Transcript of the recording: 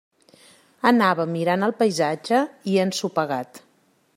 Anava mirant el paisatge i he ensopegat.